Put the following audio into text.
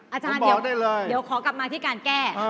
อาจารย์เดี๋ยวขอกลับมาที่การแก้